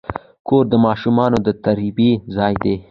کور د ماشومانو د تربیې ځای دی.